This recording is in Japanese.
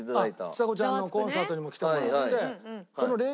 ちさ子ちゃんのコンサートにも来てもらって。